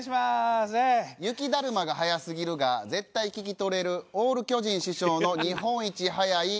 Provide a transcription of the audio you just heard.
「雪だるま」が早すぎるが絶対聞き取れるオール巨人師匠の日本一早い「雪だるま」。